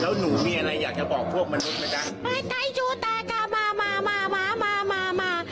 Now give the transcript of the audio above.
แล้วหนูมีอะไรอยากจะบอกพวกมนุษย์มาด้านมามามามามามามามามา